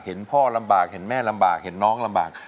เห็นพ่อลำบากเห็นแม่ลำบากเห็นน้องลำบาก